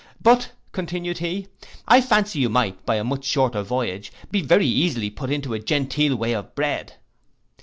But, continued he, I fancy you might, by a much shorter voyage, be very easily put into a genteel way of bread.